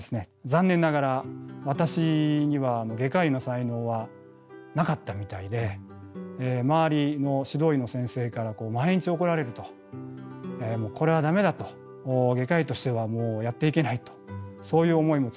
残念ながら私には外科医の才能はなかったみたいで周りの指導医の先生から毎日怒られるとこれはダメだと外科医としてはもうやっていけないとそういう思いも強くなりました。